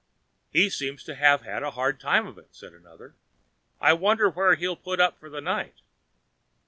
"He seems to have had a hard time of it," said another; "I wonder where he'll put up for the night."